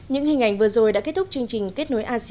xin kính chào và hẹn gặp lại